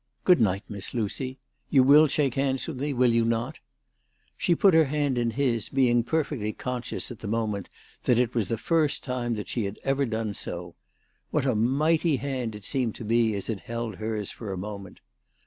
" Good night, Miss Lucy. You will shake hands with me ; will you not ?" She put her hand in his, being perfectly conscious at the moment that it was the first time that she had ever done so. What a mighty hand it seemed to be as it held hers for a moment